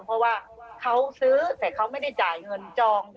เพราะว่าเขาซื้อแต่เขาไม่ได้จ่ายเงินจอง